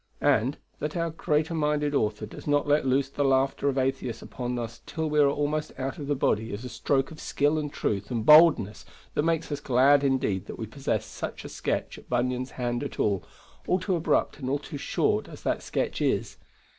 And, that our greater minded author does not let loose the laughter of Atheist upon us till we are almost out of the body is a stroke of skill and truth and boldness that makes us glad indeed that we possess such a sketch at Bunyan's hand at all, all too abrupt and all too short as that sketch is.